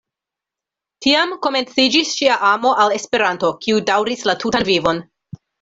Tiam komenciĝis ŝia amo al Esperanto, kiu daŭris la tutan vivon.